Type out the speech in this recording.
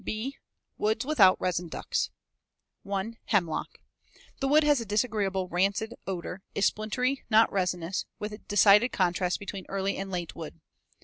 B. Woods without resin ducts. 1. Hemlock. The wood has a disagreeable, rancid odor, is splintery, not resinous, with decided contrast between early and late wood.